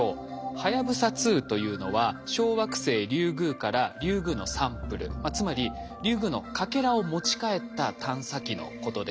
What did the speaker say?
はやぶさ２というのは小惑星リュウグウからリュウグウのサンプルつまりリュウグウのかけらを持ち帰った探査機のことです。